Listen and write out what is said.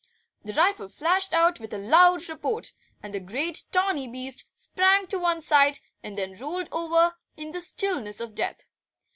The rifle flashed out with a loud report, and the great tawny beast sprang to one side and then rolled over in the stillness of death.